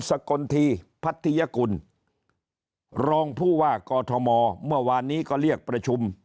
สกลทีพัทยกุลรองผู้ว่ากอทมเมื่อวานนี้ก็เรียกประชุม